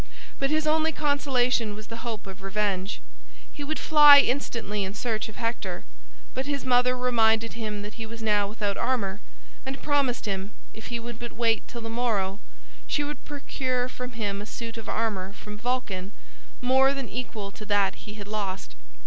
But his only consolation was the hope of revenge. He would fly instantly in search of Hector. But his mother reminded him that he was now without armor, and promised him, if he would but wait till the morrow, she would procure for him a suit of armor from Vulcan more than equal to that he had lost.